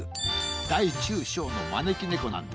大中小のまねきねこなんです。